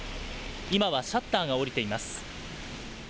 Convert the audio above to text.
今はシャッターが下りています。